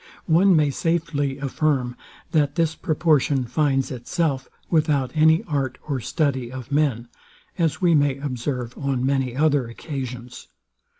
One may safely affirm, that this proportion finds itself, without any art or study of men; as we may observe on many other occasions.